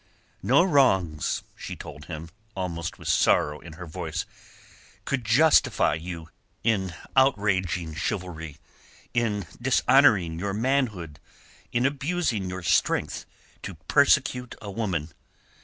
"No wrongs," she told him, almost with sorrow in her voice, "could justify you in outraging chivalry, in dishonouring your manhood, in abusing your strength to persecute a woman.